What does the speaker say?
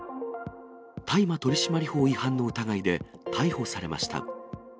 大麻取締法違反の疑いで逮捕されました。